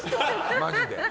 マジで。